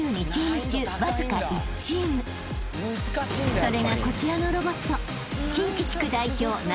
［それがこちらのロボット］